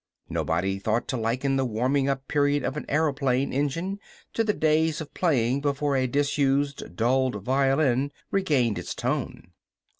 Nobody thought to liken the warming up period for an aeroplane engine to the days of playing before a disuse dulled violin regained its tone.